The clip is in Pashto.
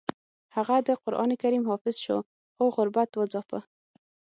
هغه د قران کریم حافظ شو خو غربت وځاپه